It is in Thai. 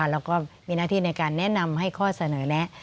แล้วก็มีหน้าที่ในการแนะนำให้ข้อเสนอแนะ